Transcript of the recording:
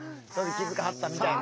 気付かはったみたいな。